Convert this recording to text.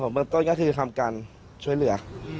เบื้องต้นก็คือทำการช่วยเหลือ